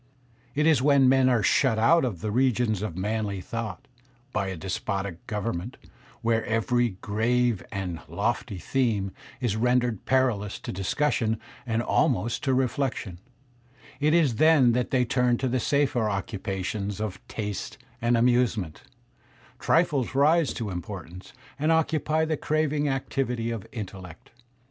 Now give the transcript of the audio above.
"It is when men are shut out of the regions of manly thought, by a despotic government; when every grave and lofty theme is rendered perilous to discussion and almost to reflection; it is then that they turn to the safer occupa tions of taste and amusement; trifles rise to importance, and occupy the craving activity of intellect.